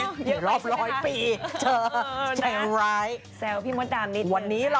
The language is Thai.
สวัสดีค่ะ